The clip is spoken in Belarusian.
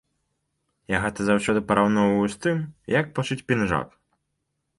Я гэта заўсёды параўноўваю з тым, як пашыць пінжак.